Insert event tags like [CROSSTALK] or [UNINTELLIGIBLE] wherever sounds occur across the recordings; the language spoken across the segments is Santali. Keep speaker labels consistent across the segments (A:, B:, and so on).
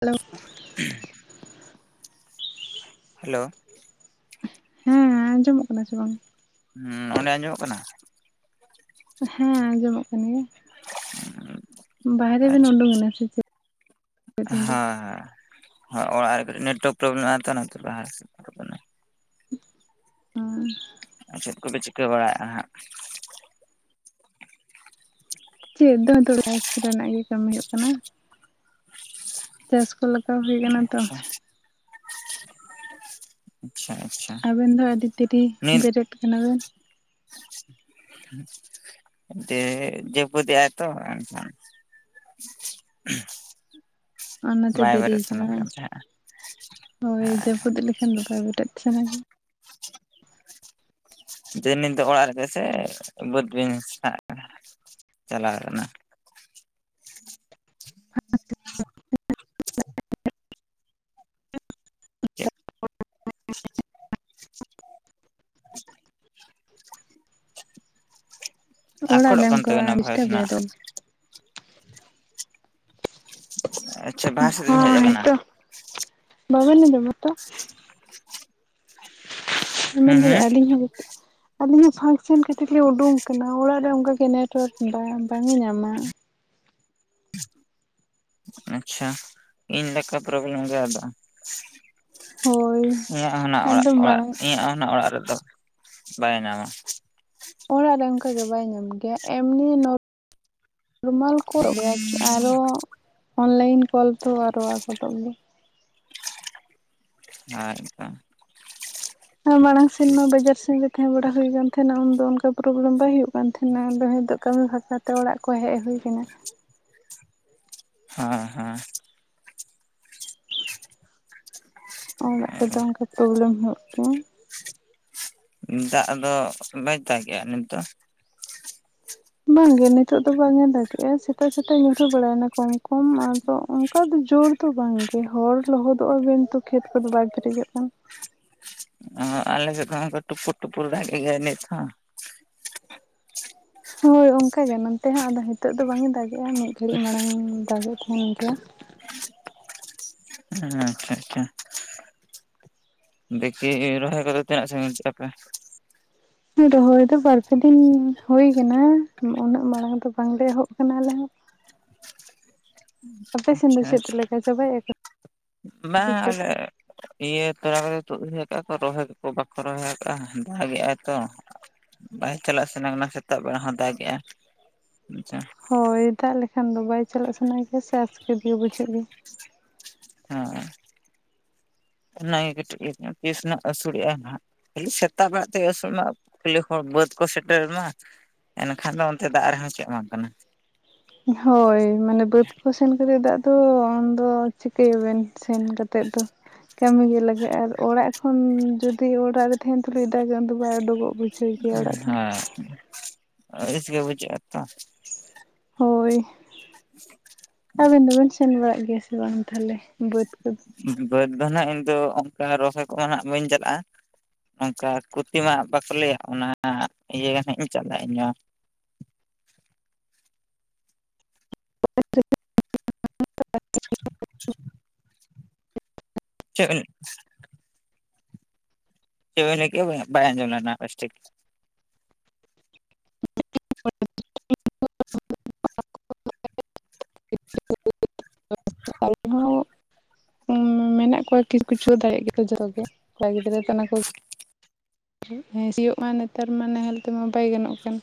A: ᱦᱮᱞᱳ
B: ᱦᱮᱞᱳ
A: ᱦᱩᱸ ᱟᱸᱡᱚᱢᱚᱜ ᱠᱟᱱᱟ ᱥᱮ ᱵᱟᱝ?
B: ᱦᱩᱸ ᱚᱸᱰᱮ ᱟᱸᱡᱚᱢᱚᱜ ᱠᱟᱱᱟ?
A: ᱦᱮᱸ ᱟᱸᱡᱚᱢᱚᱜ ᱠᱟᱱ ᱜᱮᱭᱟ ᱵᱟᱦᱨᱮ ᱵᱮᱱ ᱩᱰᱩᱠ ᱮᱱᱟ ᱥᱮ ᱪᱮᱫ?
B: ᱦᱚᱭ ᱦᱚᱭ ᱚᱲᱟ ᱨᱮ ᱠᱟᱴᱤᱡ ᱱᱮᱴᱳᱣᱟᱨᱠ ᱯᱨᱵᱞᱮᱢ ᱮᱫᱟ ᱛᱚ ᱚᱱᱟ ᱠᱟᱛᱤᱨ ᱵᱟᱦᱨᱮ ᱥᱮᱫ, ᱫᱩᱲᱩᱵ ᱠᱟᱱᱟ᱾
A: [INAUDIBLE]
B: ᱪᱮᱫ ᱠᱚᱯᱮ ᱪᱤᱠᱟᱹ ᱵᱟᱲᱟᱭᱮᱫ-ᱟ ᱦᱟᱸᱜ
A: ᱪᱮᱫ ᱫᱚ ᱱᱤᱛᱚᱜ ᱫᱚ ᱪᱟᱥ ᱨᱮᱱᱟᱜ ᱜᱮ ᱠᱟᱹᱢᱤ ᱦᱩᱭᱩᱜ ᱠᱟᱱᱟ, ᱪᱟᱥ ᱠᱚ ᱞᱟᱜᱟᱣ ᱦᱩᱭ ᱠᱟᱱᱟ ᱛᱚ,
B: ᱟᱪᱪᱷᱟ ᱟᱪᱪᱷᱟ ᱟᱪᱪᱷᱟ
A: ᱟᱵᱮᱱ ᱫᱚ ᱟᱹᱰᱤ ᱫᱤᱨᱤ
B: ᱱᱤᱛ
A: ᱵᱮᱨᱮᱫ ᱠᱟᱱᱟ ᱵᱮᱱ,
B: ᱛᱮᱦᱮᱧ ᱡᱟᱹᱯᱩᱫ ᱮᱫᱟᱭ ᱛᱚ [INAUDIBLE] [INAUDIBLE]
A: ᱚᱱᱟ ᱛᱮ
B: ᱵᱟᱭ
A: ᱫᱮᱨᱤ
B: ᱵᱮᱨᱮᱫ
A: ᱠᱟᱱᱟ
B: ᱥᱟᱱᱟ ᱠᱟᱱ
A: ᱵᱟᱸᱝ
B: ᱛᱟᱦᱮᱸᱫ
A: ᱦᱳᱭ ᱡᱟᱹᱯᱩᱫ ᱞᱮᱠᱷᱟᱱ ᱫᱚ ᱵᱟᱭ ᱵᱮᱨᱮᱫ ᱥᱟᱱᱟ ᱜᱮᱭᱟ,
B: ᱡᱮ ᱱᱤᱛ ᱫᱚ ᱚᱲᱟᱜ ᱨᱮᱜᱮ ᱥᱮ ᱵᱟᱹᱫᱽ ᱵᱤᱱ ᱪᱟᱞᱟᱣ ᱠᱟᱱᱟ
A: [UNINTELLIGIBLE]
B: ᱪᱮᱫ [UNINTELLIGIBLE]
A: ᱚᱲᱟᱜ
B: ᱟᱠᱚᱴᱚᱜ
A: ᱨᱮ
B: ᱠᱟᱱ
A: ᱚᱱᱠᱟ
B: ᱛᱟᱵᱮᱱᱟ ᱵᱷᱚᱭᱮᱥ
A: ᱰᱤᱥᱴᱟᱵ ᱜᱮᱭᱟ
B: ᱱᱟᱜ
A: ᱫᱚᱢ,
B: [UNINTELLIGIBLE] ᱵᱤᱱ ᱦᱮᱡ
A: ᱦᱚᱭ
B: ᱟᱠᱟᱱᱟ
A: ᱛᱚ ᱵᱟᱵᱮᱱ ᱟᱸᱡᱚᱢ ᱢᱟ ᱛᱚ
B: ᱦᱩᱸ
A: ᱢᱮᱱ
B: ᱦᱩᱸ
A: ᱠᱮᱫᱟᱭ ᱟᱞᱤᱧ ᱦᱚᱸ ᱜᱩᱛ ᱟᱞᱤᱧ ᱦᱚᱸ ᱯᱷᱟᱸᱠ ᱥᱮᱱ ᱠᱟᱴᱤᱡ ᱞᱤᱧ ᱩᱰᱩᱝ ᱠᱟᱱᱟ ᱚᱲᱟᱜ ᱨᱮ ᱚᱱᱠᱟ ᱜᱮ ᱱᱮᱴᱳᱣᱟᱨᱠ ᱵᱟᱝ ᱵᱟᱝ ᱮ ᱧᱟᱢᱟ,
B: ᱟᱪᱪᱷᱟ ᱤᱧ ᱞᱮᱠᱟ ᱯᱨᱚᱵᱮᱞᱮᱢ ᱜᱮ ᱟᱫᱚ
A: ᱦᱳᱭ
B: ᱤᱧᱟᱜ ᱦᱚᱱᱟᱜ ᱚᱲᱟᱜ
A: ᱟᱫᱚ
B: ᱚᱲᱟᱜ
A: ᱢᱟᱲᱟᱝ
B: ᱤᱧᱟᱹᱜ ᱦᱚᱱᱟᱜ ᱚᱲᱟᱜ ᱨᱮᱫᱚ ᱵᱟᱭ ᱧᱟᱢᱟ,
A: ᱚᱲᱟᱜ ᱨᱮ ᱚᱱᱠᱟ ᱫᱚ ᱵᱟᱭ ᱧᱟᱢ ᱜᱮᱭᱟ ᱮᱢᱱᱤ ᱱᱚᱛ ᱨᱚᱢᱟᱞ ᱠᱚ ᱜᱮᱭᱟ ᱟᱨᱚ, ᱚᱱᱞᱟᱭᱤᱱ ᱠᱚᱞ ᱛᱚ ᱟᱨᱚ ᱟᱠᱚᱴᱚᱜ ᱜᱮᱭᱟ,
B: ᱟᱨ ᱠᱟ
A: ᱢᱟᱲᱟᱝ ᱥᱮᱱ ᱢᱟ ᱵᱟᱡᱟᱨ ᱥᱮᱱ ᱨᱮ ᱛᱟᱦᱮᱸ ᱵᱟᱲᱟ ᱦᱩᱭ ᱠᱟᱱ ᱛᱟᱦᱮᱸᱱᱟ ᱩᱱᱫᱚ ᱚᱱᱠᱟ ᱯᱨᱚᱵᱮᱞᱮᱢ ᱵᱟᱭ ᱦᱩᱭᱩᱜ ᱠᱟᱱ ᱛᱟᱦᱮᱸᱱᱟ ᱟᱫᱚ ᱱᱤᱛᱚᱜ, ᱠᱟᱹᱢᱤ ᱵᱷᱟᱠᱟ ᱛᱮ ᱚᱲᱟᱜ ᱠᱚ ᱦᱮᱡ ᱦᱩᱭ ᱠᱟᱱᱟ,
B: ᱦᱟᱸ ᱦᱟᱸ
A: ᱚᱲᱟᱜ ᱨᱮᱫᱚ ᱚᱱᱠᱟ ᱯᱨᱚᱵᱮᱞᱮᱢ ᱦᱩᱭᱩᱜ ᱜᱮᱭᱟ
B: ᱫᱟᱜ ᱫᱚ ᱵᱟᱭ ᱫᱟᱜ ᱜᱮᱭᱟ ᱱᱤᱛᱚᱜ,
A: ᱵᱟᱝ ᱜᱮ ᱱᱤᱛᱚᱜ ᱫᱚ ᱵᱟᱝ ᱮ ᱫᱟᱜᱮᱜ-ᱟ ᱥᱮᱛᱟᱜ ᱥᱮᱛᱟᱜ ᱧᱩᱨᱦᱟᱹ ᱵᱟᱲᱟᱭ ᱮᱱᱟ ᱠᱚᱢ ᱠᱚᱢ ᱟᱨ ᱛᱚ ᱚᱱᱠᱟ ᱫᱚ ᱡᱳᱨ ᱫᱚ ᱵᱟᱝ ᱜᱮ ᱦᱚᱲ ᱞᱚᱦᱚᱫᱚᱜ ᱟᱵᱤᱱ ᱛᱚ ᱠᱷᱮᱛ ᱠᱚᱫᱚ ᱵᱟᱭ ᱯᱮᱨᱮᱡᱚᱜ ᱠᱟᱱᱟ,
B: ᱟᱞᱮ ᱥᱮᱫ ᱫᱚ ᱱᱚᱝᱠᱟ ᱴᱩᱯᱩᱨ ᱴᱩᱯᱩᱨ ᱫᱟᱜ ᱜᱮᱭᱟᱭ ᱱᱤᱛ ᱦᱚᱸ
A: ᱦᱳᱭ ᱚᱱᱠᱟ ᱜᱮ ᱱᱚᱱᱛᱮ ᱦᱚᱸ ᱟᱫᱚ ᱦᱤᱛᱚᱜ ᱫᱚ ᱵᱟᱝ ᱮ ᱫᱟᱜᱮᱜ-ᱟ ᱢᱤᱫ ᱜᱷᱟᱹᱲᱤᱡ ᱢᱟᱲᱟᱝ ᱫᱟᱜᱮᱜ ᱛᱟᱦᱮ ᱜᱮᱭᱟᱭ
B: ᱦᱮᱸ ᱟᱪᱪᱷᱟ ᱫᱮᱠᱮ ᱨᱚᱦᱚᱭ ᱠᱚᱫᱚ ᱛᱤᱱᱟᱜ ᱥᱟᱺᱜᱤᱧ ᱠᱮᱫ ᱟᱯᱮ,
A: ᱨᱚᱦᱚᱭ ᱫᱚ ᱵᱟᱨ ᱯᱮ ᱫᱤᱱ ᱦᱩᱭ ᱠᱟᱱᱟ ᱩᱱᱟᱹᱜ ᱢᱟᱲᱟᱝ ᱫᱚ ᱵᱟᱝ ᱞᱮ ᱮᱦᱚᱵ ᱠᱟᱱᱟ ᱟᱞᱮ ᱦᱚᱸ ᱟᱯᱮ ᱥᱮᱱ ᱫᱚ
B: ᱟᱪᱪᱷᱟ
A: ᱪᱮᱫ
B: ᱟᱪᱪᱷᱟ
A: ᱞᱮᱠᱟ ᱪᱟᱵᱟᱭᱮᱜᱼᱟ ᱠᱚ ᱥᱮ
B: ᱵᱟᱝ
A: ᱪᱮᱫ?
B: ᱟᱞᱮ ᱤᱭᱟᱹ ᱛᱚᱞᱟ ᱠᱚᱫᱚ ᱛᱩᱫ ᱦᱩᱭ ᱟᱠᱟᱜ ᱟᱠᱚ ᱨᱚᱦᱚᱭ ᱠᱚ ᱵᱟᱠᱚ ᱨᱚᱦᱚᱭ ᱟᱠᱟᱫ-ᱟ ᱫᱟᱜ ᱜᱮᱜᱟᱭ ᱛᱚ, ᱵᱟᱭ ᱪᱟᱞᱟᱜ ᱥᱟᱱᱟ ᱠᱟᱱᱟ ᱥᱮᱛᱟᱜ ᱵᱮᱲᱟ ᱦᱚᱸ ᱫᱟᱜᱮᱜ-ᱟᱭ ᱟᱪᱪᱷᱟ
A: ᱦᱳᱭ ᱫᱟᱜ ᱞᱮᱠᱷᱟᱱ ᱫᱚ ᱵᱟᱭ ᱪᱟᱞᱟᱜ ᱥᱟᱱᱟ ᱜᱮᱭᱟ ᱥᱮ ᱟᱥᱠᱮᱛ ᱜᱮ ᱵᱩᱡᱷᱟᱹᱜ ᱜᱮᱭᱟ
B: ᱦᱮᱸ ᱚᱱᱟ ᱜᱮ ᱠᱟᱹᱴᱤᱡ ᱛᱤᱥ ᱱᱟᱜ ᱟᱹᱥᱩᱲᱮᱜ ᱟᱭ ᱦᱟᱸᱜ ᱠᱷᱟᱹᱞᱤ ᱥᱮᱛᱟᱜ ᱵᱮᱲᱟᱜ ᱛᱮᱜᱮ ᱟᱹᱥᱩᱱᱚᱜ ᱤᱭᱟᱹ ᱦᱚᱲ ᱵᱟᱹᱫᱽ ᱠᱚ ᱥᱮᱴᱮᱨ ᱱᱟ ᱮᱱᱠᱷᱟᱱ ᱫᱚ ᱚᱱᱛᱮ ᱫᱟᱜ ᱨᱮᱦᱚᱸ ᱪᱮᱫ ᱦᱚᱸ ᱵᱟᱝ ᱠᱟᱱᱟ
A: ᱦᱳᱭ ᱢᱟᱱᱮ ᱵᱟᱹᱫᱽ ᱠᱚ ᱥᱮᱱ ᱠᱟᱛᱮᱫ ᱫᱟᱜ ᱫᱚ ᱩᱱ ᱫᱚ ᱪᱤᱠᱟᱹᱭ ᱟᱵᱮᱱ ᱥᱮᱱ ᱠᱟᱛ ᱛᱮᱫ ᱫᱚ ᱠᱟᱹᱢᱤ ᱜᱮ ᱞᱟᱜᱟᱜ-ᱟ ᱟᱨ ᱚᱲᱟᱜ ᱠᱷᱚᱱ ᱡᱩᱫᱤ ᱚᱲᱟᱜ ᱨᱮ ᱛᱟᱦᱮᱸᱱ ᱛᱟᱞᱩᱡ ᱫᱟᱜᱟ ᱩᱱ ᱫᱚ ᱵᱟᱭ ᱩᱰᱩᱜᱚᱜ ᱵᱩᱡᱷᱟᱹᱣ ᱜᱮᱭᱟ ᱚᱲᱟᱜ ᱠᱷᱚᱱ
B: [UNINTELLIGIBLE] ᱟᱹᱲᱤᱥ ᱜᱮ ᱵᱩᱡᱷᱟᱜ-ᱟ ᱛᱚᱸ
A: ᱦᱳᱭ ᱟᱵᱤᱱ ᱫᱚ ᱵᱮᱱ ᱥᱮᱱ ᱵᱟᱲᱟᱜ ᱜᱮᱭᱟ ᱥᱮ ᱵᱟᱝ ᱛᱟᱞᱦᱮ ᱵᱟᱹᱫᱽ ᱠᱚᱫᱚ
B: ᱵᱟᱹᱫᱽ ᱫᱚ ᱱᱟᱜ ᱤᱧᱫᱚ ᱚᱱᱠᱟ ᱨᱚᱦᱚᱭ ᱠᱚᱱᱟᱜ ᱵᱟᱹᱧ ᱪᱟᱞᱟᱜᱼᱟ ᱱᱚᱝᱠᱟ ᱠᱷᱚᱛᱤ ᱢᱟ ᱵᱟᱠᱚ ᱞᱟᱹᱭᱟ ᱚᱱᱟ ᱤᱭᱟᱹ ᱱᱟᱜ ᱤᱧ ᱪᱟᱞᱟᱜᱼᱟ ᱤᱧ ᱦᱚᱸ ᱾
A: [UNINTELLIGIBLE] [UNINTELLIGIBLE] [UNINTELLIGIBLE]
B: ᱪᱮᱫ [UNINTELLIGIBLE] ᱪᱮᱫ ᱵᱤᱱ ᱞᱟᱹᱭ ᱠᱮᱫ-ᱟ ᱵᱟᱭ ᱟᱡᱚᱢ ᱞᱮᱱᱟ ᱵᱮᱥ ᱴᱷᱤᱠ
A: [UNINTELLIGIBLE] ᱢᱮᱱᱟᱜ ᱠᱚᱣᱟ ᱠᱤᱪᱷᱩ ᱠᱩᱪᱷᱩ ᱫᱟᱲᱮᱭᱟᱜ ᱜᱮᱛᱚ ᱡᱚᱛᱚ ᱜᱮ ᱠᱚᱲᱟ ᱜᱤᱫᱽᱨᱟᱹ ᱫᱚ ᱚᱱᱟ ᱠᱚᱼᱼ ᱦᱮᱸ ᱥᱤᱭᱳᱜ ᱢᱟ ᱱᱮᱛᱟᱨ ᱢᱟ ᱱᱟᱦᱮᱞ ᱛᱮᱢᱟ ᱵᱟᱭ ᱜᱟᱱᱚᱜ ᱠᱟᱱ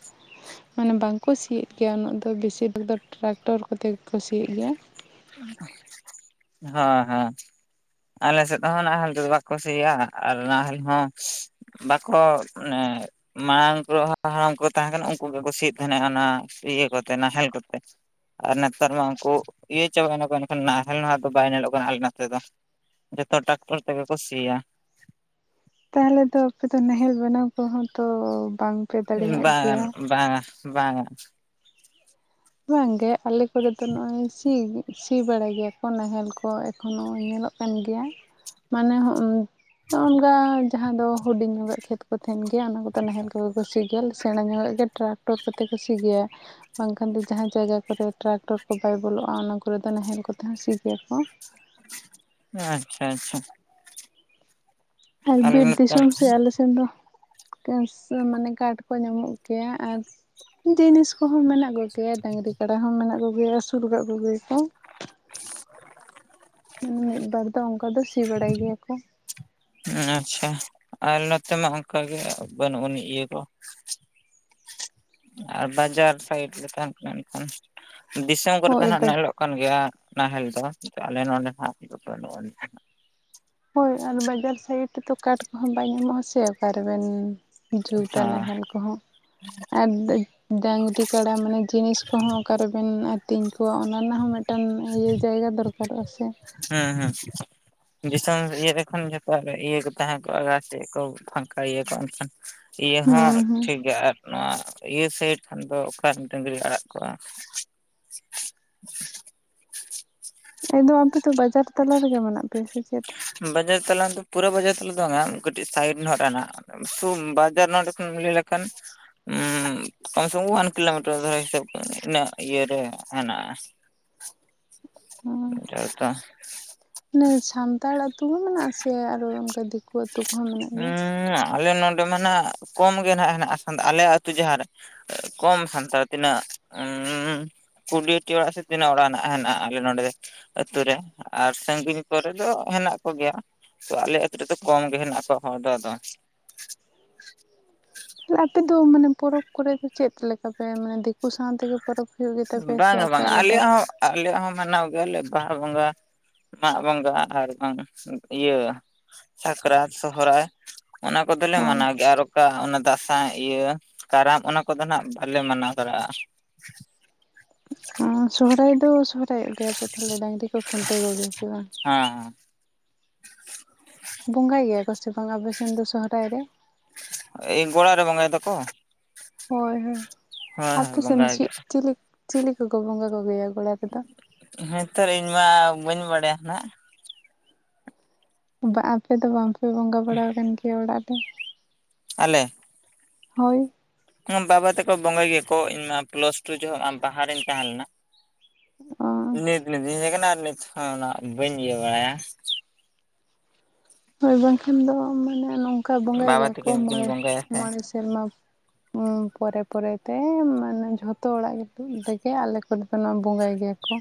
A: ᱢᱟᱱᱮ ᱵᱟᱝᱠᱚ ᱥᱤᱭᱮᱫ ᱜᱮᱭᱟ ᱩᱱᱟᱹᱜ ᱫᱚ ᱵᱤᱥᱤᱨ ᱵᱷᱟᱜᱽ ᱫᱚ ᱴᱨᱟᱠᱴᱚᱨ ᱠᱚᱛᱮ ᱜᱮ ᱠᱚ ᱥᱤᱭᱮᱫ ᱜᱮᱭᱟ
B: ᱦᱮᱸ ᱦᱮᱸ ᱟᱞᱮ ᱥᱮᱫ ᱦᱚᱸ ᱱᱟᱦᱮᱞ ᱛᱮᱫᱚ ᱵᱟᱠᱚ ᱥᱤᱭᱟ ᱟᱨ ᱱᱟᱦᱮᱞ ᱦᱚᱸ ᱵᱟᱠᱚ ᱮᱫ ᱢᱟᱲᱟᱝ ᱠᱚ ᱦᱟᱲᱟᱢ ᱠᱚ ᱛᱟᱦᱮᱸ ᱠᱟᱱᱟ, ᱩᱱᱠᱩ ᱜᱮᱭᱠᱚ ᱥᱤᱭᱮᱫ ᱛᱟᱦᱮᱸᱱᱟ ᱚᱱᱟ ᱤᱭᱟᱹ ᱠᱚᱛᱮ ᱱᱟᱦᱮᱞ ᱠᱚᱛᱮ᱾ ᱟᱨ ᱱᱮᱛᱟᱨ ᱢᱟ ᱩᱱᱠᱩ ᱤᱭᱟᱹ ᱪᱟᱵᱟᱭᱮᱱᱟ ᱠᱚ, ᱮᱱ ᱠᱷᱟᱱ ᱱᱟᱦᱮᱞ ᱱᱟᱦᱜ ᱫᱚ ᱵᱟᱭ ᱧᱮᱞᱚᱜ ᱠᱟᱱᱟ ᱟᱞᱮ ᱱᱚᱛᱮ ᱫᱚ ᱾ ᱡᱚᱛᱚ ᱴᱟᱠᱴᱚᱨ ᱛᱮᱜᱮ ᱠᱚ ᱥᱤᱭᱟ ᱾
A: ᱛᱟᱦᱚᱞᱮ ᱫᱚ ᱟᱯᱮ ᱫᱚ ᱱᱟᱦᱮᱞ ᱵᱮᱱᱟᱣ ᱠᱚᱦᱚᱸ ᱛᱚ ᱵᱟᱝ
B: ᱵᱟᱝ ᱵᱟᱝᱟ, ᱵᱟᱝᱟ ᱾
A: ᱵᱟᱝ ᱜᱮ ᱟᱞᱮ ᱠᱚᱨᱮ ᱫᱚ ᱱᱚᱜᱼᱚᱭ ᱥᱤ, ᱥᱤ ᱵᱟᱲᱟᱭ ᱜᱮᱭᱟ ᱠᱚ ᱱᱟᱦᱮᱞ ᱠᱚ ᱾ ᱮᱠᱷᱚᱱ ᱱᱚᱜᱼᱚᱭ ᱧᱮᱞᱚᱜ ᱠᱟᱱ ᱠᱟᱱ ᱜᱮᱭᱟ ᱢᱟᱱᱮ ᱱᱚᱜᱝᱠᱟ ᱡᱟᱦᱟᱸ ᱫᱚ ᱦᱩᱰᱤᱧ ᱧᱚᱜᱟ ᱠᱷᱮᱛ ᱠᱚ, ᱛᱟᱦᱮᱱ ᱜᱮᱭᱟ, ᱚᱱᱟ ᱠᱚᱫᱚ ᱱᱟᱦᱮᱞ ᱠᱚᱜᱮ ᱠᱚ ᱥᱤ ᱜᱮᱭᱟ ᱾ ᱥᱮᱬᱟ ᱧᱚᱜᱟᱜ ᱜᱮ ᱴᱨᱟᱠᱴᱚᱨ ᱠᱚᱛᱮ ᱠᱚ ᱥᱤ ᱜᱮᱭᱟ ᱾ ᱠᱷᱟᱱ ᱫᱚ ᱡᱟᱦᱟᱸ ᱡᱟᱭᱜᱟ ᱠᱚᱨᱮ ᱴᱨᱟᱠᱴᱚᱨ ᱠᱚ ᱵᱟᱭ ᱵᱚᱞᱚᱜᱼᱟ ᱚᱱᱟ ᱠᱚᱨᱮ ᱫᱚ ᱱᱟᱦᱮᱞ ᱠᱚᱛᱮ ᱦᱚᱸ ᱥᱤ ᱜᱮᱭᱟ ᱠᱚ ᱾
B: ᱟᱻᱪᱷᱟ ᱟᱪᱷᱟ ᱾
A: ᱟᱞᱮ ᱵᱤᱨ
B: ᱱᱚᱛᱮ
A: ᱫᱤᱥᱚᱢ ᱥᱮᱫ, ᱟᱞᱮ [UNINTELLIGIBLE] ᱢᱟᱱᱮ ᱠᱟᱨᱰ ᱠᱚ ᱧᱟᱢᱚᱜ ᱜᱮᱭᱟ ᱟᱨ ᱡᱤᱱᱤᱥ ᱠᱚᱦᱚᱸ ᱢᱮᱱᱟᱜ ᱠᱚᱜᱮᱭᱟ, ᱰᱟᱺᱜᱽᱨᱤ ᱠᱟᱰᱟ ᱦᱚᱸ ᱢᱮᱱᱟᱜ ᱠᱚᱜᱮᱭᱟ, ᱟᱹᱥᱩᱞ ᱟᱠᱟᱫ ᱠᱚᱜᱮᱭᱟᱠᱚ ᱾ ᱢᱟᱱᱮ ᱢᱤᱫ ᱵᱟᱨ ᱫᱚ ᱚᱸᱠᱟ ᱫᱚ ᱥᱤ ᱵᱟᱲᱟᱭ ᱜᱮᱭᱟ ᱠᱚ,
B: ᱟᱪᱷᱟ, ᱟᱞᱚ ᱛᱟᱢᱟ ᱢᱟ ᱚᱱᱠᱟ ᱜᱮ, ᱵᱟᱹᱱᱩᱜ ᱟᱹᱱᱤᱡ ᱤᱭᱟᱹ ᱠᱚ ᱾ ᱟᱨ ᱵᱟᱡᱟᱨ ᱥᱟᱭᱤᱰ ᱨᱮ ᱛᱟᱦᱮᱸᱱ ᱥᱟᱱᱟᱭᱮᱫ ᱢᱮᱠᱷᱟᱱ ᱫᱤᱥᱚᱢ ᱠᱚᱨᱮ ᱛᱚ
A: ᱦᱳᱭ
B: ᱤᱱᱟᱹ
A: ᱵᱟᱭ
B: ᱦᱤᱞᱚᱜ ᱠᱟᱱ ᱜᱮᱭᱟ, ᱱᱟᱦᱮᱞ ᱫᱚ [UNINTELLIGIBLE] ᱟᱞᱮ ᱱᱚᱰᱮ ᱦᱟᱸᱜ [UNINTELLIGIBLE] ᱵᱟᱹᱱᱩᱜ ᱟᱹᱱᱤᱡ ᱦᱟᱸᱜ,
A: ᱦᱳᱭ ᱾ ᱟᱨ ᱵᱟᱡᱟᱨ ᱥᱟᱭᱤᱰ ᱨᱮᱛᱚ ᱠᱟᱴ ᱠᱚᱦᱚᱸ ᱵᱟᱭ ᱧᱟᱢᱚᱜᱼᱟ, ᱥᱮ? ᱚᱠᱟ ᱨᱮᱵᱮᱱ ᱡᱩᱛᱻᱟ,
B: ᱦᱮᱸ
A: ᱱᱟᱜᱮᱞ ᱠᱚᱦᱚᱸ ᱟᱨ ᱰᱟᱺᱜᱽᱨᱤ ᱠᱟᱰᱟ ᱢᱟᱱᱮ ᱡᱤᱱᱤᱥ ᱠᱚᱦᱚᱸ ᱚᱠᱟᱨᱮᱵᱤᱱ ᱟᱹᱛᱤᱧ ᱠᱚᱣᱟ ᱚᱱᱟ ᱨᱮᱱᱟᱜ ᱦᱚᱸ ᱢᱤᱫ [UNINTELLIGIBLE] ᱤᱭᱟᱹ ᱡᱟᱭᱜᱟ ᱫᱚᱨᱠᱟᱨᱚᱜᱼᱟ ᱥᱮ?
B: ᱦᱮᱸ ᱦᱮᱸ ᱾ ᱫᱤᱥᱚᱢ ᱤᱭᱟᱹ ᱠᱷᱚᱱᱜᱮᱸ ᱛᱚ ᱤᱭᱟᱹ ᱠᱚ ᱛᱟᱦᱮᱸ ᱠᱚᱜᱼᱟ ᱾ ᱨᱟᱥᱴᱨᱟ ᱠᱚ ᱯᱷᱟᱝᱠᱟ ᱤᱭᱟᱹ ᱠᱚᱜᱼᱟ ᱾ ᱮᱱᱠᱷᱟᱱ ᱤᱭᱟᱹ ᱦᱚᱸ
A: ᱦᱩᱸ ᱦᱩᱸ
B: ᱴᱷᱤᱠ ᱜᱮᱭᱟ ᱟᱫᱮ‌ᱱᱟ ᱾ ᱤᱭᱟᱹ ᱥᱟᱭᱤᱰ ᱠᱷᱟᱱ ᱫᱚ, ᱚᱠᱟ [UNINTELLIGIBLE] ᱰᱟᱹᱝᱨᱤ ᱟᱲᱟᱜ ᱠᱚᱜᱼᱟ ᱾
A: ᱮᱫᱚ ᱟᱯᱮᱫᱚ ᱵᱟᱡᱟᱨ ᱛᱟᱞᱟ ᱨᱮᱜᱮ ᱢᱮᱱᱟᱜ ᱯᱮᱭᱟ ᱥᱮ ᱪᱮᱫ?
B: ᱵᱟᱡᱟᱨ ᱛᱟᱞᱟ ᱫᱚ, ᱯᱩᱨᱟᱹ ᱵᱟᱡᱟᱨ ᱛᱟᱞᱟ ᱫᱚ ᱵᱟᱝᱻᱟ? ᱠᱟᱹᱴᱤᱡ ᱥᱟᱭᱤᱰ ᱨᱮᱱᱟᱜ ᱥᱩᱱ [UNINTELLIGIBLE] ᱱᱚᱰᱮ ᱠᱤᱱ ᱩᱞᱮᱞ ᱟᱠᱟᱱ ᱾ ᱩᱸᱼ ᱠᱚᱢ ᱥᱮ [UNINTELLIGIBLE] ᱠᱚᱢ ᱚᱣᱟᱱ ᱠᱤᱞᱳᱢᱤᱴᱟᱨ ᱫᱚᱨᱟ ᱦᱤᱥᱟᱹᱵ ᱤᱱᱟᱹᱜ ᱤᱭᱟᱹ ᱨᱮ ᱦᱮᱱᱟᱜᱼᱟ ᱾
A: [UNINTELLIGIBLE]
B: ᱛᱚ [UNINTELLIGIBLE]
A: ᱱᱩᱭ ᱥᱟᱱᱛᱟᱲ ᱟᱹᱛᱩ ᱦᱚᱸ ᱢᱮᱱᱟᱜᱼᱟ? ᱥᱮ ᱟᱨᱚ ᱚᱱᱠᱟ ᱫᱤᱠᱩ ᱟᱹᱛᱩ ᱾ ᱛᱩᱠ ᱦᱚᱸ ᱢᱮᱱᱟᱜᱼᱟ ᱠᱚ?
B: ᱩᱸᱻᱟ, ᱟᱞᱮ ᱱᱚᱰᱮ ᱢᱟ ᱱᱟᱜ ᱠᱚᱢ ᱜᱮ, ᱱᱟᱜ ᱦᱮᱱᱟᱜᱼᱟ, ᱟᱞᱮ ᱟᱹᱛᱩ ᱡᱟᱦᱟᱸ ᱨᱮ ᱾ ᱮᱸ ᱠᱚᱢ ᱥᱟᱱᱛᱟᱲ ᱛᱤᱱᱟᱹᱜ ᱩᱸᱻᱦ ᱠᱩᱰᱤᱭᱟ. ᱴᱤ ᱚᱲᱟᱜ ᱥᱮ ᱛᱤᱱᱟᱹᱜ? ᱚᱲᱟᱜ ᱦᱮᱱᱟᱜᱼᱟ ᱟᱞᱮ ᱱᱚᱸᱰᱮ ᱾ ᱟᱹᱛᱩ ᱨᱮ, ᱟᱨ ᱥᱟᱺᱜᱤᱧ ᱠᱚᱨᱮ ᱫᱚ, ᱦᱮᱱᱟᱜ ᱠᱚᱜᱮᱭᱟ ᱾ ᱛᱚ ᱟᱞᱮ ᱟᱹᱛᱩ ᱨᱮᱫᱚ ᱠᱚᱢ ᱜᱮ ᱦᱮᱱᱟᱜ ᱠᱚᱣᱟ ᱦᱚᱲ ᱫᱚ ᱟᱫᱚ,
A: ᱟᱯᱮ ᱫᱚ, ᱢᱟᱱᱮ ᱯᱚᱨᱚᱵᱽ ᱠᱚᱨᱮ ᱫᱚ, ᱪᱮᱫ ᱞᱮᱠᱟ ᱯᱮ? ᱢᱟᱱᱮ ᱫᱤᱠᱩ ᱥᱟᱶᱛᱮᱜᱮ ᱯᱚᱨᱚᱵᱽ ᱦᱩᱭᱩᱜ ᱜᱮ ᱛᱟᱯᱮᱭᱟ ᱥᱮ ᱟᱯᱮ ᱟᱞᱟᱫᱟ
B: ᱟᱞᱮ ᱦᱚᱸ ᱢᱟᱱᱟᱣ ᱜᱮᱭᱟᱞᱮ ᱵᱟᱦᱟ ᱵᱚᱸᱜᱟ ᱢᱟᱜᱽ ᱵᱚᱸᱜᱟ ᱟᱨ ᱵᱟᱝ ᱤᱭᱟᱹ ᱥᱟᱠᱨᱟᱛ ᱥᱚᱦᱚᱨᱟᱭ ᱚᱱᱟ ᱠᱚᱫᱚᱞᱮ
A: ᱦᱳᱭ
B: ᱢᱟᱱᱟᱣ ᱜᱮᱭᱟ ᱟᱨ ᱚᱠᱟ ᱚᱱᱟ ᱫ [UNINTELLIGIBLE] ᱤᱭᱟᱹ ᱠᱟᱨᱟᱢ ᱚᱱᱟ ᱠᱚᱫᱚ ᱱᱟᱸᱜ ᱵᱟᱞᱮ ᱢᱟᱱᱟᱣ ᱫᱚᱲᱮᱟᱜᱼᱟ
A: [UNINTELLIGIBLE] ᱥᱚᱦᱚᱨᱟᱭ ᱫᱚ ᱥᱚᱦᱚᱨᱟᱭ ᱚᱜ ᱜᱮᱭᱟᱯᱮ ᱛᱟᱦᱟᱞᱮ ᱰᱟᱹᱝᱨᱤ ᱠᱚ ᱠᱷᱩᱱᱴᱟᱹᱣ ᱠᱚᱜᱮᱭᱟ ᱯᱮ ᱵᱟᱝ
B: ᱦᱮᱸ ᱦᱮᱸ
A: ᱵᱚᱸᱜᱟᱭ ᱜᱮᱭᱟ ᱠᱚ ᱥᱮ ᱵᱟᱝ ᱟᱵᱮ ᱥᱮᱱ ᱫᱚ ᱥᱚᱦᱚᱨᱟᱭ ᱨᱮ?
B: ᱮᱭ ᱜᱚ‍ᱸᱲᱟ ᱨᱮ ᱵᱚᱸᱜᱟᱭ ᱫᱚᱠᱚ
A: ᱦᱳᱭ ᱦᱳᱭ
B: ᱦᱳᱭ ᱦᱳᱭ
A: ᱟᱯᱮᱥᱮᱫ ᱫᱚ
B: ᱵᱚᱸᱜᱟᱭ
A: ᱪᱮᱫ
B: ᱜᱮ
A: ᱪᱤᱞᱤ ᱪᱤᱞᱤ ᱠᱚᱠᱚ ᱵᱚᱸᱜᱟ ᱠᱚᱜᱮᱭᱟ ᱜᱚᱲᱟ ᱨᱮᱫᱚ
B: ᱦᱮᱸ ᱛᱚᱨ ᱤᱧ ᱢᱟ ᱵᱟᱹᱧ ᱵᱟᱲᱟᱭᱟ ᱱᱟᱸᱜ
A: ᱵᱟ ᱟᱯᱮ ᱫᱚ ᱵᱟᱝᱯᱮ ᱵᱚᱸᱜᱟ ᱵᱟᱲᱟ ᱟᱠᱟᱱ ᱜᱮᱭᱟ ᱚᱸᱲᱟᱜ ᱨᱮ?
B: ᱟᱞᱮ
A: ᱦᱳᱭ
B: ᱵᱟᱵᱟ ᱛᱮᱠᱚ ᱵᱚᱸᱜᱟᱭ ᱜᱮᱭᱟᱠᱚ ᱤᱧ ᱢᱟ ᱯᱞᱟᱥ ᱴᱩ ᱡᱚᱠᱷᱚᱠ ᱢᱟ ᱵᱟᱦᱟ ᱨᱮᱧ ᱛᱟᱦᱮᱸ ᱞᱮᱱᱟ
A: ᱚ
B: ᱱᱤᱛ ᱱᱤᱛ ᱦᱮᱡᱽ ᱠᱟᱱᱟ ᱟᱨ ᱱᱤᱛ ᱦᱟᱸᱜ ᱵᱟᱹᱧ ᱤᱭᱟᱹ ᱵᱟᱲᱟᱭᱟ
A: ᱦᱳᱭ ᱵᱟᱝᱠᱷᱟᱱ ᱫᱚ ᱢᱟᱱᱮ ᱱᱚᱝᱠᱟ ᱵᱚᱸᱜᱟᱭ
B: ᱵᱟᱵᱟ
A: ᱜᱮᱭᱟ ᱠᱚ
B: ᱛᱟᱹᱠᱤᱱ ᱠᱤᱱ
A: ᱢᱚᱬᱮᱸ
B: ᱵᱚᱸᱜᱟᱭᱟ ᱥᱮ
A: ᱢᱚᱬᱮᱸ ᱥᱮᱸᱨᱢᱟ ᱦᱩᱸ ᱯᱚᱨᱮ ᱯᱚᱨᱮᱛᱮ ᱢᱟᱱᱮ ᱡᱷᱚᱛᱚ ᱚᱸᱲᱟᱜ ᱨᱮᱜᱮ ᱟᱞᱮ ᱠᱚᱨᱮ ᱫᱚ ᱱᱚᱣᱟ ᱵᱚᱸᱜᱟᱭ ᱜᱮᱭᱟ ᱠᱚ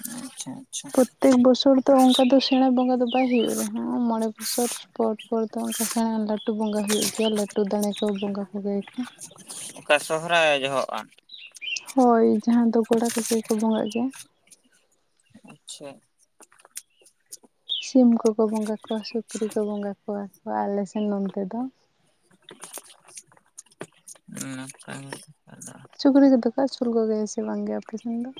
B: ᱟᱪᱪᱷᱟ ᱟᱪᱪᱷᱟ
A: ᱯᱨᱚᱛᱮᱠ ᱵᱚᱪᱷᱚᱨ ᱫᱚ ᱚᱱᱠᱟ ᱫᱚ ᱥᱮᱸᱬᱟ ᱵᱚᱸᱜᱟ ᱫᱚ ᱵᱟᱭ ᱦᱩᱭᱩᱜ ᱨᱮᱦᱚᱸ ᱢᱚᱬᱮᱸ ᱵᱚᱪᱷᱚᱨ ᱯᱚᱨ ᱯᱚᱨ ᱫᱚ ᱚᱱᱠᱟ ᱥᱮᱸᱬᱟ ᱞᱟᱹᱴᱩ ᱵᱚᱸᱜᱟ ᱦᱩᱭᱩᱜ ᱜᱮᱭᱟ ᱞᱟᱹᱴᱩ ᱫᱟᱲᱮ ᱠᱚ ᱵᱚᱸᱜᱟ ᱠᱚᱜᱮᱭᱟᱠᱚ
B: ᱚᱠᱟ ᱥᱚᱦᱚᱨᱟᱭ ᱡᱚᱦᱚᱜᱼᱟ?
A: ᱦᱳᱭ ᱡᱟᱦᱟᱸ ᱫᱚ ᱜᱚᱲᱟ ᱨᱮᱜᱮ ᱠᱚ ᱵᱚᱸᱜᱟᱜ ᱜᱮᱭᱟ
B: ᱟᱪᱪᱷᱟ
A: ᱥᱤᱢ ᱠᱚᱠᱚ ᱵᱚᱸᱜᱟ ᱠᱚᱣᱟ ᱥᱩᱠᱨᱤ ᱠᱚ ᱵᱚᱸᱜᱟ ᱠᱚᱣᱟ ᱠᱚ ᱟᱞᱮᱥᱮᱱ ᱱᱚᱱᱛᱮ ᱫᱚ
B: [UNINTELLIGIBLE]
A: ᱥᱩᱠᱨᱤ ᱠᱚᱫᱚ ᱠᱚ ᱟᱹᱥᱩᱞ ᱠᱚᱜᱮᱭᱟ ᱥᱮ ᱵᱟᱝ ᱟᱯᱮᱥᱮᱱ ᱫᱚ?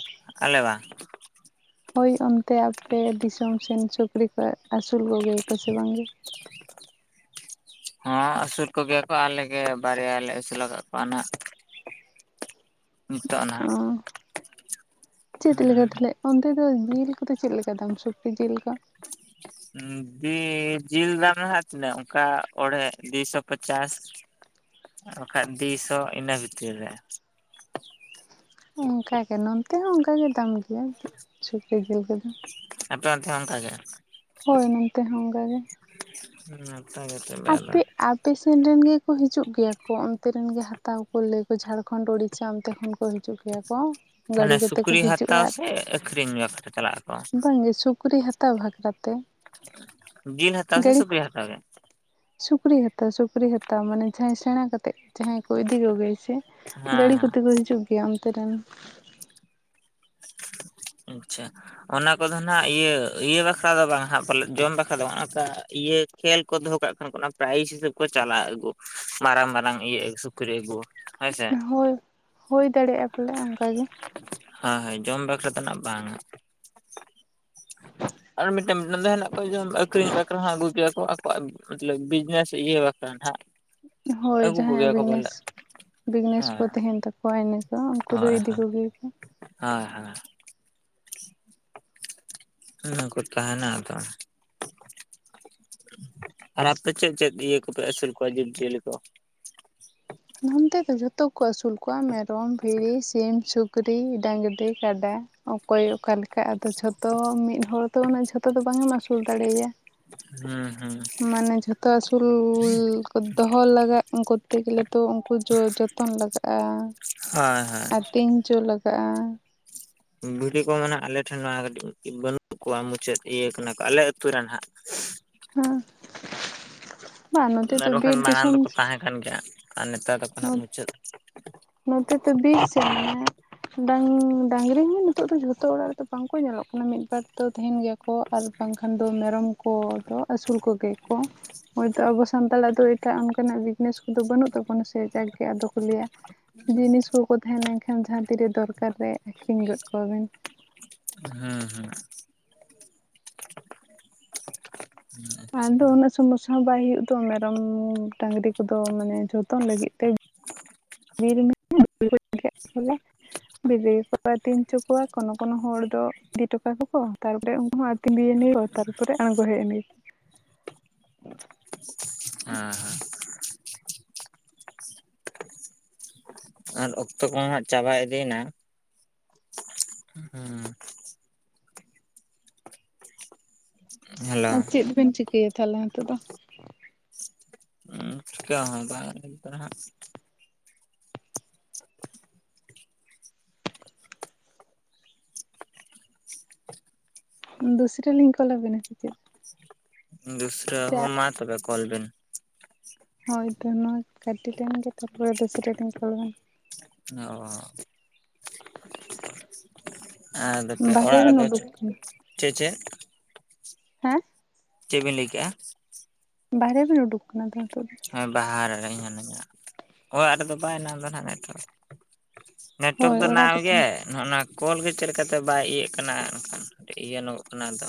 B: ᱟᱞᱮ ᱵᱟᱝ
A: [INAUDIBLE] ᱦᱳᱭ ᱚᱱᱛᱮ ᱟᱯᱮ ᱫᱤᱥᱚᱢ ᱥᱮᱱ ᱥᱩᱠᱨᱤ ᱠᱚ ᱟᱹᱥᱩᱞ ᱠᱚᱜᱮᱭᱟ ᱠᱚ ᱥᱮ ᱵᱟᱝ ᱜᱮ?
B: [INAUDIBLE] ᱦᱚᱸ ᱟᱹᱥᱩᱞ ᱠᱚᱜᱮᱭᱟ ᱠᱚ ᱟᱞᱮᱜᱮ ᱵᱟᱨᱭᱟ ᱞᱮ ᱟᱹᱥᱩᱞ ᱟᱠᱟᱫ ᱠᱚᱣᱟ ᱱᱟᱸᱜ
A: ᱚ ᱪᱮᱫ ᱞᱮᱠᱟ ᱛᱟᱦᱟᱞᱮ ᱚᱱᱛᱮ ᱫᱚ ᱡᱤᱞ ᱠᱚᱫᱚ ᱪᱮᱫ ᱞᱮᱠᱟ ᱫᱟᱢ ᱥᱩᱠᱨᱤ ᱡᱤᱞ ᱠᱚ
B: [UNINTELLIGIBLE] ᱡᱤᱞ ᱫᱟᱢ ᱫᱚ ᱦᱟᱸᱜ ᱛᱤᱱᱟᱹᱜ ᱚᱱᱠᱟ ᱚᱲᱦᱮᱸ ᱫᱩᱥᱚ ᱯᱚᱪᱟᱥ
A: [INAUDIBLE]
B: ᱵᱟᱠᱷᱟᱡ ᱫᱩᱥᱚ ᱤᱱᱟᱹ ᱵᱷᱤᱛᱤᱨ ᱨᱮ
A: ᱚᱱᱠᱟᱜᱮ ᱱᱚᱱᱛᱮ ᱦᱚᱸ ᱚᱱᱠᱟᱜᱮ ᱫᱟᱢ ᱜᱮᱭᱟ ᱥᱩᱠᱨᱤ ᱡᱤᱞ ᱠᱚᱫᱚ
B: ᱟᱯᱮ ᱚᱱᱛᱮ ᱦᱚᱸ ᱚᱱᱠᱟ ᱜᱮ?
A: ᱦᱳᱭ ᱱᱚᱱᱛᱮ ᱦᱚᱸ ᱚᱱᱠᱟ ᱜᱮ᱾
B: ᱦᱩᱸ
A: ᱟᱯᱮ [UNINTELLIGIBLE] ᱟᱯᱮᱥᱮᱱ ᱨᱮᱱ ᱜᱮᱠᱚ ᱦᱤᱡᱩᱜ ᱜᱮᱭᱟ ᱠᱚ ᱚᱱᱛᱮ ᱨᱮᱱ ᱜᱮ ᱦᱟᱛᱟᱣ ᱠᱚ ᱞᱟᱹᱭᱟᱠᱚ ᱡᱷᱟᱲᱠᱷᱚᱸᱰ ᱳᱲᱤᱥᱟ ᱚᱱᱛᱮ ᱠᱷᱚᱱ ᱠᱚ ᱦᱤᱡᱩᱜ ᱜᱮᱭᱟ ᱠᱚ ᱜᱟᱹᱲᱤ
B: ᱢᱟᱱᱮ
A: ᱠᱚᱛᱮ ᱠᱚ
B: ᱥᱩᱠᱨᱤ
A: ᱦᱤᱡᱩᱜᱼᱟ
B: ᱦᱟᱛᱟᱣ ᱥᱮ ᱟᱹᱠᱷᱨᱤᱧ ᱵᱟᱠᱷᱨᱟ ᱪᱟᱞᱟᱜ ᱟᱠᱚ
A: ᱵᱟᱝᱜᱮ ᱥᱩᱠᱨᱤ ᱦᱟᱛ ᱦᱟᱛᱟᱣ ᱵᱷᱟᱠᱷᱨᱟᱛᱮ
B: ᱵᱤᱱ ᱦᱟᱛᱟᱣ ᱥᱮ ᱥᱩᱠᱨᱤ ᱦᱟᱛᱟᱣ ᱜᱮ
A: ᱥᱩᱠᱨᱤ ᱦᱟᱛᱟᱣ ᱥᱩᱠᱨᱤ ᱦᱟᱛᱟᱣ ᱢᱟᱱᱮ ᱡᱟᱦᱟᱸᱭ ᱥᱮᱸᱬᱟ ᱠᱟᱛᱮᱫ ᱡᱟᱦᱟᱸᱭ ᱠᱚ ᱤᱫᱤ ᱠᱚᱜᱮᱭᱟ ᱥᱮ
B: ᱦᱮᱸ
A: ᱜᱟᱹᱲᱤ
B: ᱦᱮᱸ
A: ᱠᱚᱛᱮ ᱠᱚ ᱦᱤᱡᱩᱜ ᱜᱮᱭᱟ ᱚᱱᱛᱮ ᱨᱮᱱ
B: ᱟᱪᱪᱷᱟ ᱚᱱᱟ ᱠᱚᱫᱚ ᱦᱟᱸᱜ ᱤᱭᱟᱹ ᱤᱭᱟᱹ ᱵᱟᱠᱷᱨᱟ ᱫᱚ ᱵᱟᱝ ᱦᱟᱸᱜ ᱯᱟᱞᱮ ᱡᱚᱢ ᱵᱟᱠᱷᱨᱟ ᱫᱚ ᱵᱟᱝ ᱚᱱᱠᱟ ᱤᱭᱟᱹ ᱠᱷᱮᱞ ᱠᱚ ᱫᱚᱦᱚ ᱠᱟᱜ ᱠᱷᱟᱱ ᱠᱚ ᱚᱱᱟ ᱯᱨᱟᱭᱤᱡᱽ ᱦᱤᱥᱟᱹᱵ ᱠᱚ ᱪᱟᱞᱟᱜ ᱟᱹᱜᱩ ᱢᱟᱨᱟᱝ ᱢᱟᱨᱟᱝ ᱤᱭᱟᱹ ᱥᱩᱠᱨᱤ ᱟᱹᱜᱩ ᱦᱳᱭᱥᱮ
A: ᱦᱳᱭ ᱦᱳᱭ ᱫᱟᱲᱮᱭᱟᱜᱼᱟ ᱯᱟᱞᱮ ᱚᱱᱠᱟ ᱜᱮ
B: ᱦᱳᱭ ᱦᱳᱭ ᱡᱚᱢ ᱵᱟᱠᱷᱨᱟ ᱫᱚ ᱱᱟᱜ ᱵᱟᱝ-ᱟ
A: [INAUDIBLE]
B: ᱟᱨ ᱢᱤᱫᱴᱮᱱ ᱢᱤᱫᱴᱟᱱ ᱫᱚ ᱦᱮᱱᱟᱜ ᱠᱚᱣᱟ ᱡᱮᱢᱚᱱ ᱟᱹᱠᱷᱨᱤᱧ ᱵᱟᱠᱷᱨᱟ ᱦᱚᱸ ᱟᱹᱜᱩ ᱠᱮᱭᱟ ᱠᱚ ᱟᱠᱚᱣᱟᱜ ᱢᱚᱛᱞᱚᱵ ᱵᱤᱡᱽᱱᱮᱥ ᱤᱭᱟᱹ ᱵᱟᱠᱷᱨᱟ [INAUDIBLE]
A: ᱦᱳᱭ
B: ᱟᱹᱜᱩ
A: ᱡᱟᱦᱟᱸᱭᱟᱜ
B: ᱠᱚᱜᱮᱭᱟ ᱠᱚ
A: ᱵᱤᱡᱽᱱᱮᱥ
B: ᱯᱟᱞᱮᱫ
A: ᱵᱤᱡᱽᱱᱮᱥ ᱠᱚ
B: ᱦᱮᱸ
A: ᱛᱟᱦᱮᱱ ᱛᱟᱠᱚᱣᱟ ᱠᱚ ᱤᱱᱟᱹᱠᱚ ᱩᱱᱠᱩ ᱫᱚ ᱤᱫᱤ ᱠᱚᱜᱮᱭᱟ ᱠᱚ
B: [UNINTELLIGIBLE] ᱩᱱᱟᱠᱩ ᱠᱚ ᱛᱟᱦᱮᱱᱟ ᱟᱫᱚ ᱟᱨ ᱟᱯᱮ ᱪᱮᱫ ᱪᱮᱫ ᱤᱭᱟᱹ ᱠᱚᱯᱮ ᱟᱹᱥᱩᱞ ᱠᱚᱣᱟ ᱡᱤᱵᱽᱼᱡᱤᱭᱟᱹᱞᱤ ᱠᱚ
A: ᱱᱚᱱᱛᱮ ᱫᱚ ᱡᱷᱚᱛᱚ ᱠᱚ ᱟᱹᱥᱩᱞ ᱠᱚᱣᱟ ᱢᱮᱨᱚᱢ ᱵᱷᱤᱲᱤ ᱥᱤᱢ ᱥᱩᱠᱨᱤ ᱥᱩᱠᱨᱤ ᱰᱟᱹᱝᱨᱤ ᱠᱟᱰᱟ ᱚᱠᱚᱭ ᱚᱠᱟᱞᱮᱠᱟ ᱠᱟ ᱟᱫᱚ ᱡᱷᱚᱛᱚ ᱢᱤᱫ ᱦᱚᱲ ᱫᱚ ᱩᱱᱟᱹᱜ ᱡᱷᱚᱛᱚ ᱫᱚ ᱵᱟᱝ ᱮᱢ ᱟᱹᱥᱩᱞ ᱫᱟᱲᱮᱭᱟᱭᱟ
B: ᱦᱩᱸ ᱦᱩᱸ
A: ᱢᱟᱱᱮ ᱡᱷᱚᱛᱚ ᱟᱹᱥᱩᱞ ᱠᱚ ᱫᱚᱦᱚ ᱞᱟᱜᱟᱜ ᱩᱱᱠᱩ ᱠᱚᱨᱛᱮ ᱜᱮᱹᱞᱮᱹ ᱛᱚ ᱩᱱᱠᱩ ᱡᱚ ᱡᱚᱛᱚᱱ ᱞᱟᱜᱟᱜᱼᱟ
B: ᱦᱳᱭ ᱦᱳᱭ
A: ᱟᱨ ᱛᱮᱧ ᱡᱚ ᱞᱟᱜᱟᱜᱼᱟ
B: ᱵᱷᱤᱰᱤ ᱠᱚ ᱢᱮᱱᱟᱜ ᱟᱞᱮ ᱴᱷᱮᱱ ᱱᱚᱣᱟ ᱠᱟᱹᱴᱤᱡ ᱵᱟᱹᱱᱩᱜ ᱠᱚᱣᱟ ᱢᱩᱪᱟᱹᱫ ᱤᱭᱟᱹ ᱠᱟᱱᱟ ᱠᱚ ᱟᱞᱮ ᱟᱹᱛᱩ ᱨᱮ ᱟᱸᱱᱟᱜ
A: ᱦᱟᱸ ᱵᱟᱝ ᱱᱚᱛᱮ ᱫᱚ
B: ᱟᱨ
A: ᱵᱤᱨ
B: ᱵᱟᱠᱷᱟᱱ ᱢᱟᱲᱟᱝ
A: ᱫᱤᱥᱚᱢ
B: ᱫᱚᱠᱚ ᱛᱟᱦᱮᱸ ᱠᱟᱱ ᱜᱮᱭᱟ ᱟᱨ ᱱᱮᱛᱟᱨ ᱫᱚᱠᱚ ᱦᱟᱸᱜ ᱢᱩᱪᱟᱹᱫ
A: ᱱᱚᱛᱮ ᱫᱚ ᱵᱤᱨ [UNINTELLIGIBLE] ᱰᱟᱝ ᱰᱟᱝᱨᱤ ᱦᱚᱸ ᱱᱤᱛᱚᱜ ᱫᱚ ᱡᱷᱚᱛᱚ ᱚᱲᱟᱜ ᱨᱮᱫᱚ ᱵᱟᱝᱠᱚ ᱧᱮᱞᱚᱜ ᱠᱟᱱᱟ ᱢᱤᱫ ᱵᱟᱨ ᱫᱚ ᱛᱟᱦᱮᱱ ᱜᱮᱭᱟ ᱠᱚ ᱠᱚ ᱟᱨ ᱵᱟᱝᱠᱷᱟᱱ ᱫᱚ ᱢᱮᱨᱚᱢ ᱠᱚ ᱫᱚ ᱟᱹᱥᱩᱞ ᱠᱚᱜᱮᱭᱟᱠᱚ ᱦᱳᱭᱛᱳ ᱟᱵᱚ ᱥᱟᱱᱛᱟᱲᱟᱜ ᱫᱚ ᱮᱴᱟᱜ ᱚᱱᱠᱟᱱᱟᱜ ᱵᱤᱡᱽᱱᱮᱥ ᱠᱚᱫᱚ ᱵᱟᱹᱱᱩᱜ ᱛᱟᱵᱚᱱᱟ ᱥᱮ ᱡᱟᱠᱜᱮ ᱟᱫᱚ ᱠᱚ ᱞᱟᱹᱭᱟ ᱡᱤᱱᱤᱥ ᱠᱚᱠᱚ ᱛᱟᱦᱮᱸ ᱞᱮᱱᱠᱷᱟᱱ ᱡᱟᱦᱟᱸ ᱛᱤᱨᱮ ᱫᱚᱨᱠᱟᱨ ᱨᱮ ᱟᱠᱷᱨᱤᱧ ᱜᱚᱫ ᱠᱚᱣᱟᱵᱤᱱ
B: ᱦᱮᱸ ᱦᱮᱸ ᱦᱮᱸ
A: ᱟᱫᱚ
B: ᱟᱪᱪᱷᱟ
A: ᱩᱱᱟᱹᱜ ᱥᱚᱢᱚᱥᱥᱟ ᱦᱚᱸ ᱵᱟᱭ ᱦᱩᱭᱩᱜ ᱫᱚ ᱢᱮᱨᱚᱢ ᱰᱟᱹᱟᱝᱨᱤ ᱠᱚᱫᱚ ᱢᱟᱱᱮ ᱡᱚᱛᱚᱱ ᱞᱟᱹᱜᱤᱫ ᱛᱮ [INAUDIBLE] [UNINTELLIGIBLE] ᱵᱤᱨ ᱨᱮᱜᱮᱠᱚ ᱟᱹᱛᱤᱧ ᱦᱚᱪᱚ ᱠᱚᱣᱟ ᱠᱚᱱᱚ ᱠᱚᱱᱚ ᱦᱚᱲ ᱫᱚ ᱤᱫᱤᱴ ᱠᱟᱠᱚ ᱠᱚ ᱛᱟᱨᱯᱚᱨᱮ ᱩᱱᱠᱩ ᱦᱚᱸ ᱟᱛᱤᱧ ᱵᱤᱨᱱᱤᱭᱟ ᱛᱟᱨᱯᱚᱨᱮ ᱟᱬᱜᱚ ᱦᱮᱡ ᱮᱱ ᱜᱮᱠᱚ
B: [UNINTELLIGIBLE] ᱟᱨ ᱚᱠᱛᱚ ᱠᱚ ᱦᱟᱸᱜ ᱪᱟᱵᱟ ᱤᱫᱤᱭᱮᱱᱟ ᱦᱩᱸ ᱦᱮᱞᱳ
A: ᱟᱨ ᱪᱮᱫ ᱵᱮᱱ ᱪᱤᱠᱟᱹᱭᱟ ᱛᱟᱦᱚᱞᱮ ᱦᱤᱸᱛᱚᱜ ᱫᱚ
B: ᱪᱤᱠᱟᱹ ᱦᱚᱸ ᱵᱟᱝ [UNINTELLIGIBLE] ᱦᱟᱸᱜ
A: ᱫᱚᱩᱥᱨᱟ. ᱞᱤᱧ ᱠᱚᱞ ᱟᱵᱤᱱᱟ ᱥᱮ ᱪᱮᱫ?
B: ᱫᱩᱥᱨᱟᱹ
A: ᱥᱮ
B: ᱦᱳ ᱢᱟ ᱛᱚᱵᱮ ᱠᱚᱞ ᱵᱤᱱ
A: ᱦᱳᱭ ᱛᱚ ᱱᱚᱣᱟ ᱠᱟᱹᱴᱤ ᱞᱮᱱ ᱜᱮ ᱛᱟᱨᱯᱚᱨᱮ ᱫᱩᱥᱨᱟᱹ ᱛᱤᱧ ᱚᱞ ᱟᱵᱤᱱᱟ
B: [UNINTELLIGIBLE] ᱟᱫᱚᱯᱮ
A: ᱵᱟᱦᱨᱮ
B: ᱚᱲᱟᱜ
A: ᱵᱮᱱ
B: ᱨᱮᱫᱚ
A: ᱩᱰᱩᱠ ᱠᱟᱱᱟ
B: ᱪᱮᱫ ᱪᱮᱫ
A: ᱦᱮᱸ
B: ᱪᱮᱫ ᱵᱤᱱ ᱞᱟᱹᱭ ᱠᱮᱜᱼᱟ
A: ᱵᱟᱦᱨᱮ ᱵᱤᱱ ᱩᱰᱩᱠ ᱠᱟᱱᱟ ᱛᱚ ᱦᱤᱛᱚᱜ ᱫᱚ
B: ᱦᱮᱸ ᱵᱟᱦᱟ ᱨᱮ ᱦᱤᱱᱟᱹᱧᱟ ᱚᱲᱟᱜ ᱨᱮᱫᱚ ᱵᱟᱭ ᱱᱟᱢᱫᱟ ᱱᱟᱦᱟᱸᱜ ᱱᱮᱹᱴᱣᱟᱨᱠ ᱱᱮᱴᱣᱟᱨᱠ
A: ᱦᱳᱭ
B: ᱫᱚ
A: ᱚᱲᱟᱜ ᱨᱮ
B: [UNINTELLIGIBLE] ᱜᱮ
A: ᱛᱟᱦᱮᱸ
B: ᱚᱱᱮ ᱚᱱᱟ ᱠᱚᱞ ᱜᱮ ᱪᱮᱫ ᱞᱮᱠᱟᱛᱮ ᱵᱟᱭ ᱤᱭᱟᱹᱜ ᱠᱟᱱᱟ ᱮᱱᱠᱷᱟᱱ ᱤᱭᱟᱹᱱᱜᱚᱜ ᱠᱟᱱᱟ ᱟᱫᱚ